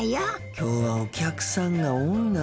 きょうはお客さんが多いな。